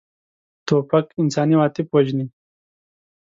توپک انساني عواطف وژني.